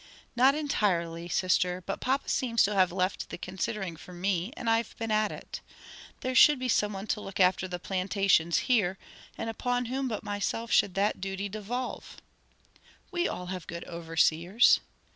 "Not entirely, sister, but papa seems to have left the considering for me, and I've been at it. There should be some one to look after the plantations here, and upon whom but myself should that duty devolve?" "We all have good overseers."